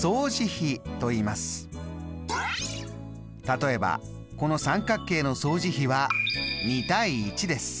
例えばこの三角形の相似比は２：１です。